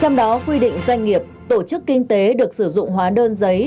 trong đó quy định doanh nghiệp tổ chức kinh tế được sử dụng hóa đơn giấy